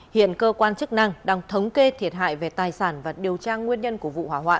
hiện cơ quan chức năng đang thống kê thiệt hại về tài sản và điều tra nguyên nhân của vụ hỏa hoạn